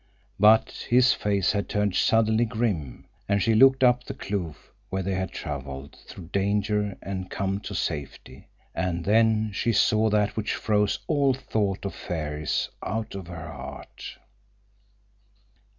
But his face had turned suddenly grim, and she looked up the kloof, where they had traveled through danger and come to safety. And then she saw that which froze all thought of fairies out of her heart.